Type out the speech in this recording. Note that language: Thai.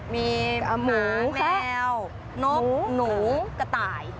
มีหมาแมวนกหนูกระต่าย